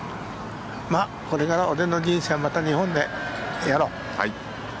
これからは俺の人生また日本でやろう。